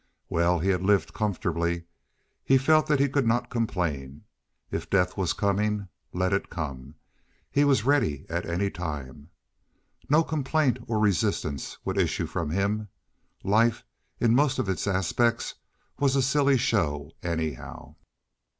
Well, he had lived comfortably. He felt that he could not complain. If death was coming, let it come. He was ready at any time. No complaint or resistance would issue from him. Life, in most of its aspects, was a silly show anyhow.